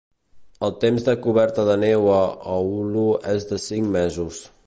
El temps de coberta de neu a Oulu és de cinc mesos.